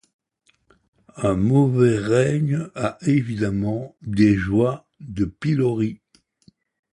Un mauvais règne a évidemment des joies de pilori.